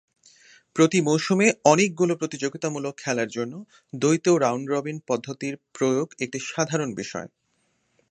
প্রতি মৌসুমে অনেকগুলো প্রতিযোগিতামূলক খেলার জন্য দ্বৈত রাউন্ড-রবিন পদ্ধতির প্রয়োগ একটি সাধারণ বিষয়।